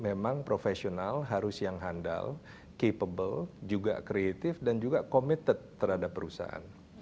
memang profesional harus yang handal capable juga kreatif dan juga committed terhadap perusahaan